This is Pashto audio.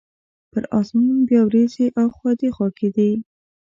پر اسمان بیا وریځې اخوا دیخوا کیدې.